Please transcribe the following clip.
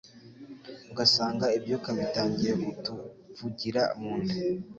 ugasanga ibyuka bitangiye kutuvugira mu nda.